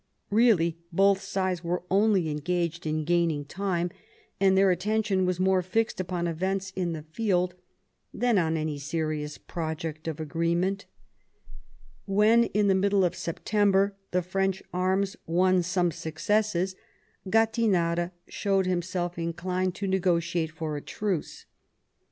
Really both sides were only engaged in gaining time, and their attention was more fixed upon events in the field than on any serious project of agreement When in the middle of September the French arms won some successes, Gattinara showed himself inclined to negotiate for a truce.